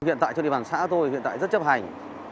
hiện tại trên địa bàn xã tôi hiện tại rất chấp hành